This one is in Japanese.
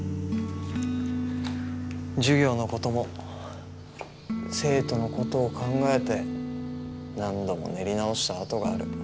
授業のことも生徒のことを考えて何度も練り直した跡がある。